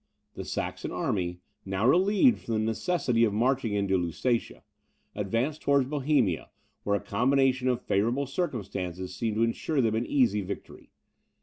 The Saxon army, now relieved from the necessity of marching into Lusatia, advanced towards Bohemia, where a combination of favourable circumstances seemed to ensure them an easy victory.